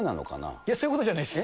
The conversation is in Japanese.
いや、そういうことじゃないです。